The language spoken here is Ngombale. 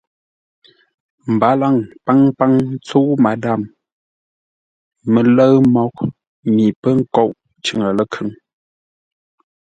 Mbalaŋ paŋpaŋ ntsə́u Madâm mələ̂ʉ mǒghʼ mi pə́ nkóʼ cʉŋə ləkhʉŋ.